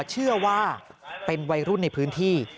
เชื่อว่าเป็นวัยรุ่นในพื้นที่